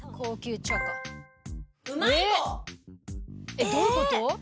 えっどういうこと？